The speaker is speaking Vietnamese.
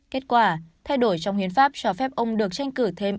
kết quả thay đổi trong hiến pháp cho phép ông được tranh cử thêm